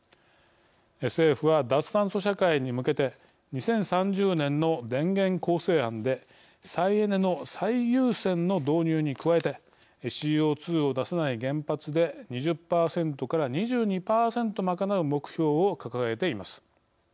政府は、脱炭素社会に向けて２０３０年の電源構成案で再エネの最優先の導入に加えてＣＯ２を出さない原発で２０％から２２％賄う目標を掲げています。